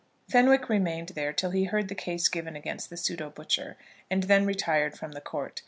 Fenwick remained there till he heard the case given against the pseudo butcher, and then retired from the court.